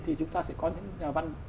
thì chúng ta sẽ có những nhà văn